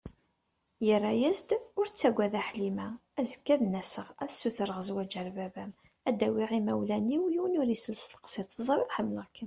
Yerra-as-d: Ur ttaggad a Ḥlima, azekka ad n-aseɣ ad sutreɣ zwaǧ ar baba-m, ad d-awiɣ imawlan-iw, yiwen ur isel tseqsiḍt, teẓriḍ ḥemmleɣ-kem.